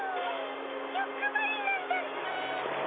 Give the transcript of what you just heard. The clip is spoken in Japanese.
よくばりなんだっピ。